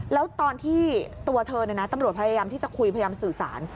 แล้วตอนที่ตัวเธอตำรวจพยายามที่จะคุยพยายามสื่อสาร